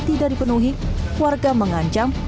tidak dipenuhi warga mengancam